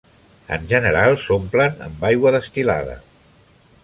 En general s'omplen amb aigua destil·lada.